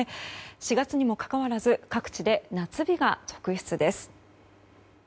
４月にもかかわらず各地で夏日が続出です。